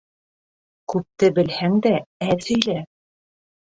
Күпте белһәң дә, әҙ һөйлә.